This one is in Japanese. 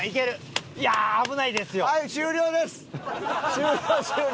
終了終了！